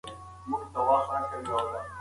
محصلین باید ډېر کتابونه ولولي.